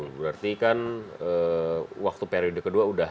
berarti kan waktu periode kedua udah